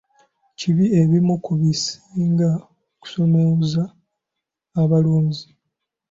Biki ebimu ku bisinga okusoomooza abalunzi?